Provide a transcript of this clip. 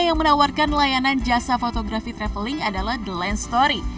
yang menawarkan layanan jasa fotografi traveling adalah the land story